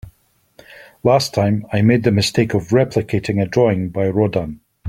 Last time, I made the mistake of replicating a drawing by Rodin.